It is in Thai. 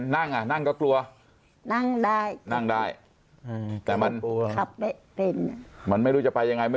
ยังไงนะต้องมีมีรถรถรถรถไปได้ซื้อหลายอย่างรถจะ